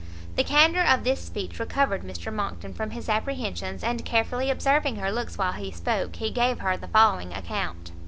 The candour of this speech recovered Mr Monckton from his apprehensions; and, carefully observing her looks while he spoke, he gave her the following account.